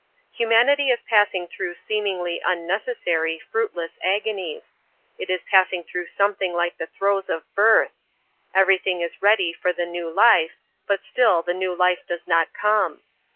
Humanity is passing through seemingly unnecessary, fruitless agonies. It is passing through something like the throes of birth. Everything is ready for the new life, but still the new life does not come.